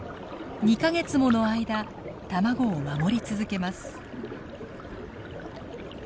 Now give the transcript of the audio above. ２か月もの間卵を守り続けます。